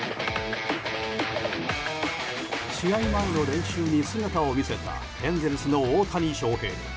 試合前の練習に姿を見せたエンゼルスの大谷翔平。